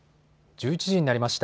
１１時になりました。